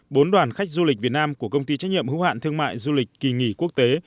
bốn đoàn khách du lịch việt nam của công ty trách nhiệm hữu hạn thương mại du lịch kỳ nghỉ quốc tế